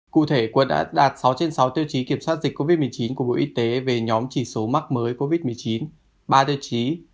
cụ thể quận đã đạt sáu trên sáu tiêu chí kiểm soát dịch covid một mươi chín của bộ y tế về nhóm chỉ số mắc mới covid một mươi chín ba tiêu chí